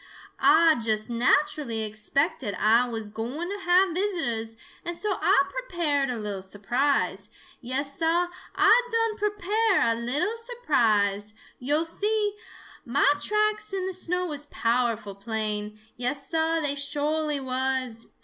"Ah just naturally expected Ah was gwine to have visitors, and so Ah prepared a little surprise. Yes, Sah, Ah done prepare a little surprise. Yo' see, mah tracks in the snow was powerful plain. Yes, Sah, they sho'ly was!